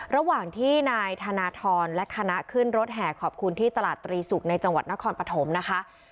ระหว่างที่นายธนทรและคณะขึ้นรถแห่ขอบคุณที่ตลาดตรีศุกร์ในจังหวัดนครปฐมนะคะ